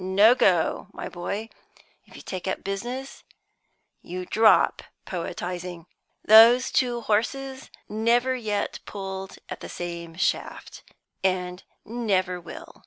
No go, my boy. If you take up business, you drop poetising. Those two horses never yet pulled at the same shaft, and never will."